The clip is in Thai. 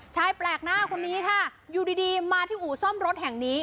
แปลกหน้าคนนี้ค่ะอยู่ดีมาที่อู่ซ่อมรถแห่งนี้